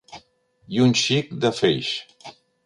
I un xic de feix.